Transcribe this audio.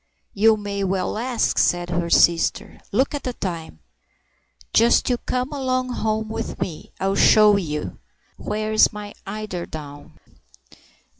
"You may well ask!" said her sister. "Look at the time! Just you come along home with me. I'll show you. Where's my eiderdown?"